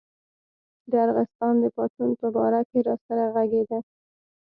د ارغستان د پاڅون په باره کې راسره غږېده.